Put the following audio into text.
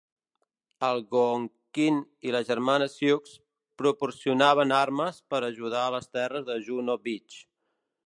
"Algonquin" i la germana "Sioux" proporcionaven armes per ajudar a les terres de Juno Beach.